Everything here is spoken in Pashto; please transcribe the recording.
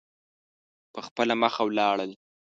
په خپله مخه ولاړل.